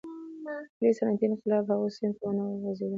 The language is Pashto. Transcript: ولې صنعتي انقلاب هغو سیمو ته ونه غځېدل.